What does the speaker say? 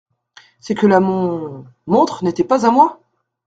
c'est que la mon … montre n'était pas à moi !